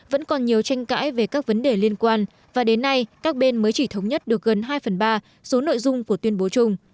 vẫn còn nhiều tranh cãi về các vấn đề liên quan và đến nay các bên mới chỉ thống nhất được gần hai phần ba số nội dung của tuyên bố chung